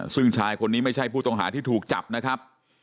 ซึ่งชายคนนี้ไม่ใช่ผู้ต้องหาที่ถูกจับนะครับ